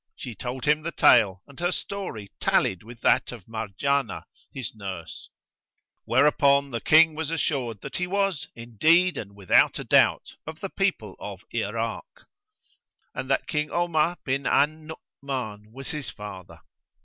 She told him the tale and her story tallied with that of Marjanah, his nurse; whereupon the King was assured that he was, indeed and without a doubt, of the people of Irak; and that King Omar bin al Nu'uman was his father.